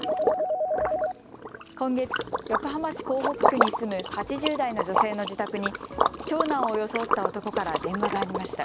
今月、横浜市港北区に住む８０代の女性の自宅に長男を装った男から電話がありました。